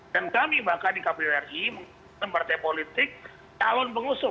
dan kami bahkan di kpuri tempatnya politik calon pengusung